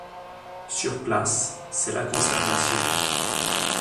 Sur place, c'est la consternation...